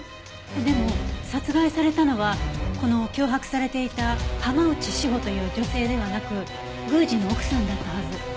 でも殺害されたのはこの脅迫されていた浜内詩帆という女性ではなく宮司の奥さんだったはず。